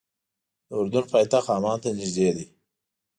د اردن پایتخت عمان ته نږدې ده.